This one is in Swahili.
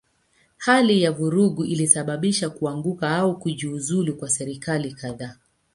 Hali ya vurugu ilisababisha kuanguka au kujiuzulu kwa serikali kadhaa.